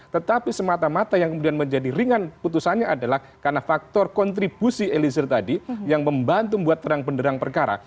tetapi semata mata yang kemudian menjadi ringan putusannya adalah karena faktor kontribusi eliezer tadi yang membantu membuat terang penderang perkara